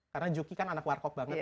karena juki kan anak warcop banget